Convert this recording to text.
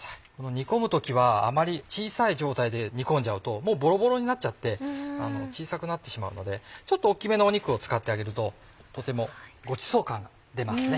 煮込む時はあまり小さい状態で煮込んじゃうとぼろぼろになっちゃって小さくなってしまうのでちょっと大きめの肉を使ってあげるととてもごちそう感が出ますね。